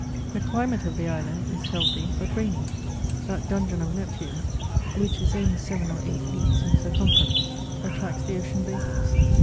The climate of the island is healthy but rainy: that dungeon of Neptune, which is only seven or eight leagues in circumference, attracts the ocean vapours.